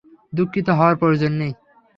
দুঃখিত হওয়ার প্রয়োজন নেই।